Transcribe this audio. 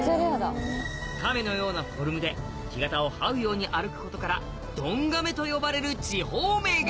亀のようなフォルムで干潟を這うように歩くことからドンガメと呼ばれる地方名が。